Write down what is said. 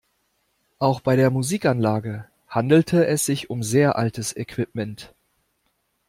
Auch bei der Musikanlage handelte es sich um sehr altes Equipment.